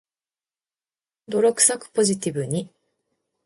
泥臭く、ポジティブに